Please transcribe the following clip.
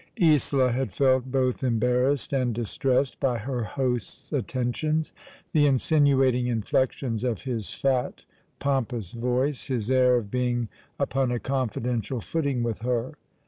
Isola had felt both embarrassed and distressed by her host's attentions — the insinuating inflections of his fat, pompous voice J his air of being upon a confidential footing with her.